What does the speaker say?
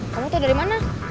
kamu tau dari mana